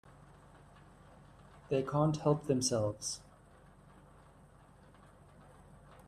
They can't help themselves.